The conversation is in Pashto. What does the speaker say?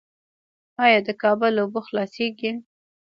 آیا د کابل اوبه خلاصیږي؟